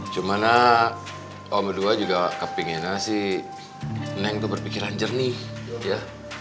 cuma om berdua juga kepengennya sih neng berpikiran jernih